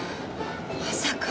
まさか。